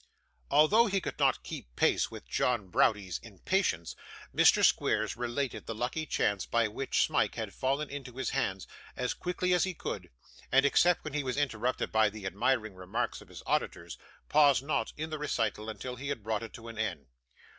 Although he could not keep pace with John Browdie's impatience, Mr Squeers related the lucky chance by which Smike had fallen into his hands, as quickly as he could, and, except when he was interrupted by the admiring remarks of his auditors, paused not in the recital until he had brought it to an end.